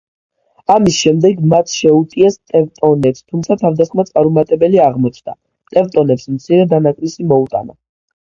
ამის შემდეგ, მათ შეუტიეს ტევტონებს, თუმცა თავდასხმა წარუმატებელი აღმოჩნდა, ტევტონებს მცირე დანაკლისი მოუტანა.